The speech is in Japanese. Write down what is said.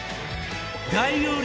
大容量！